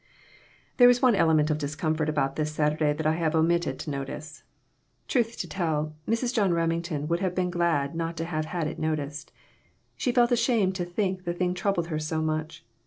THERE was one element of discomfort about this Saturday that I have omitted to notice. Truth to tell, Mrs. John Remington would have been glad not to have had it noticed. She felt ashamed to think the thing troubled her so much.